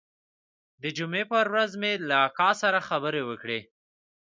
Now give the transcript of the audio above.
د جمعې پر ورځ مې له اکا سره خبرې وکړې.